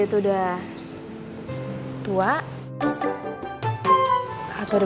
aku juga suka sama dia